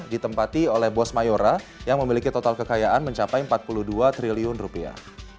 ditempati oleh bos mayora yang memiliki total kekayaan mencapai empat puluh dua triliun rupiah